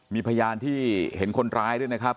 มีพยานที่เห็นคนร้ายด้วยนะครับ